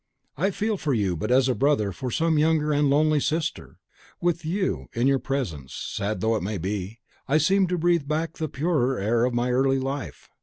I feel for you but as a brother for some younger and lonely sister. With you, in your presence, sad though it be, I seem to breathe back the purer air of my early life.